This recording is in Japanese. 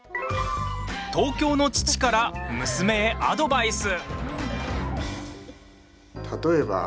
東京の父から、娘へアドバイス。